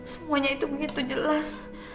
semuanya itu begitu jelas